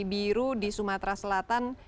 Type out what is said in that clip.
biru di sumatera selatan